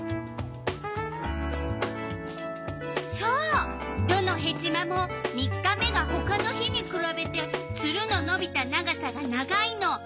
そうどのヘチマも３日目がほかの日にくらべてツルののびた長さが長いの。